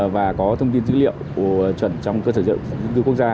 và có thông tin dữ liệu chuẩn trong cơ sở dữ liệu dân cư quốc gia